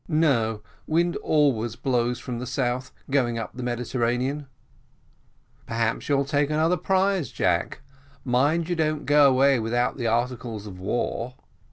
"No; wind always blows from the South going up the Mediterranean." "Perhaps you'll take another prize, Jack mind you don't go away without the articles of war."